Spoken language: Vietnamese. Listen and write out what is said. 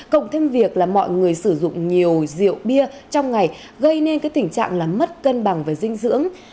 cộng thêm việc là mọi người sử dụng nhiều rượu bia trong ngày gây nên cái tình trạng là mất cân bằng về dinh dưỡng